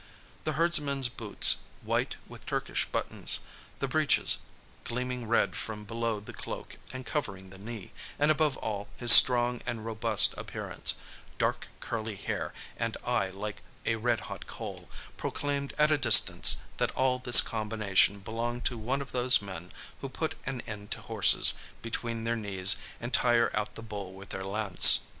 The herdsman's boots white, with Turkish buttons, the breeches gleaming red from below the cloak and covering the knee, and, above all, his strong and robust appearance, dark curly hair, and eye like a red hot coal, proclaimed at a distance that all this combination belonged to one of those men who put an end to horses between their knees and tire out the bull with their lance.